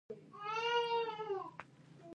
یوه کرښه دې ولیکي چې دغه رنګونه د څه لپاره دي.